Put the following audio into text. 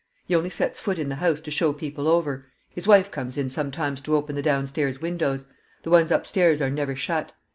He only sets foot in the house to show people over; his wife comes in sometimes to open the downstairs windows; the ones upstairs are never shut.